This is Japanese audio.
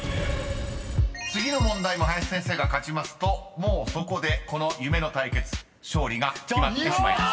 ［次の問題も林先生が勝ちますともうそこでこの夢の対決勝利が決まってしまいます］